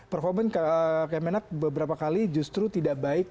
performa kemenak beberapa kali justru tidak baik